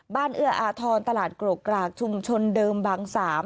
เอื้ออาทรตลาดกรกกรากชุมชนเดิมบาง๓